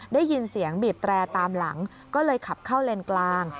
ได้ยินเสียงบีบแตรตามหลังก็เลยขับเข้าเลนกลาง